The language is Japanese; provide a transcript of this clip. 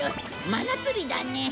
真夏日だね。